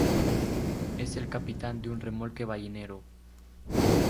Es el capitán de un remolque ballenero.